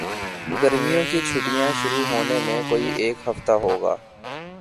گرمیوں کی چھٹیاں شروع ہونے میں کوئی ایک ہفتہ ہو گا